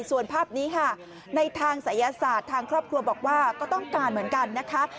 ส่วนภาพนี้ค่ะในทางศัยศาสตร์ทางครอบครัวบอกว่าก็ต้องการเหมือนกันนะคะ